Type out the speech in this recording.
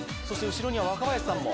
後ろには若林さんも。